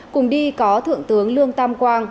cùng đi có thượng tướng lương tam quang